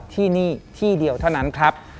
ที่นี่ที่เดียวเท่านั้นครับ